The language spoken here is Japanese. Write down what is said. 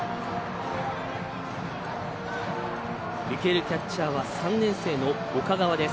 受けるキャッチャーは３年生の岡川です。